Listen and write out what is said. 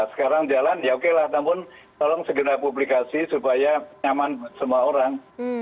sekarang jalan ya oke lah namun tolong segera publikasi supaya nyaman buat semua orang